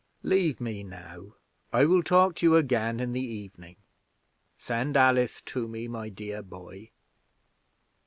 Leave me now I will talk to you again in the evening. Send Alice to me, my dear boy."